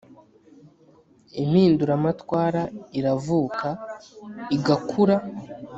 impinduramatwara iravuka, igakura